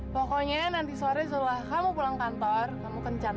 pokoknya nanti sore setelah kamu pulang kantor kamu kencan